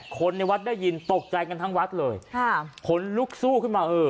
คนในวัดได้ยินตกใจกันทั้งวัดเลยค่ะขนลุกสู้ขึ้นมาเออ